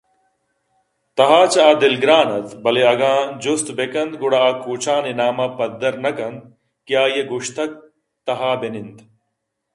تہا چہ آ دلگران اَت بلئے اگاں جست بہ کنت گڑا آ کوچان ءِ نام ءَ پدّر نہ کنت کہ آئیءَ گوٛشتگ تہا بہ نند